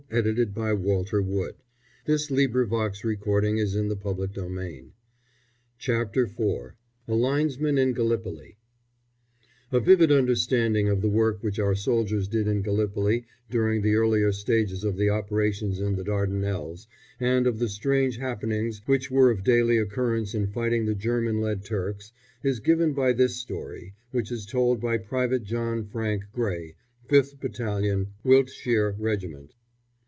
[Illustration: To face p. 43. A VIEW OF "V" BEACH, TAKEN FROM THE "RIVER CLYDE."] CHAPTER IV A LINESMAN IN GALLIPOLI [A vivid understanding of the work which our soldiers did in Gallipoli during the earlier stages of the operations in the Dardanelles, and of the strange happenings which were of daily occurrence in fighting the German led Turks, is given by this story, which is told by Private John Frank Gray, 5th Battalion Wiltshire Regiment.